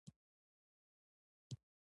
سخت مخالفت پیل شو.